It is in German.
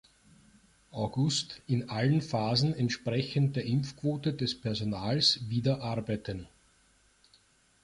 August in allen Phasen entsprechend der Impfquote des Personals wieder arbeiten.